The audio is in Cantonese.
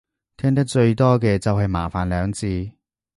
聽得最多嘅就係麻煩兩字